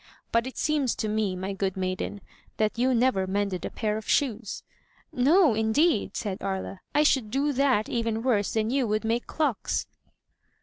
But it seems to me, my good maiden, that you never mended a pair of shoes." "No, indeed!" said Aria; "I should do that even worse than you would make clocks."